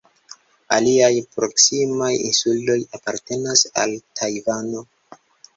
Aliaj proksimaj insuloj apartenas al Tajvano.